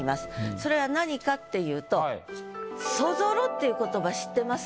それは何かっていうと「そぞろ」っていう言葉知ってますか？